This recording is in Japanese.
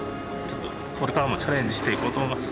これからもチャレンジしていこうと思います。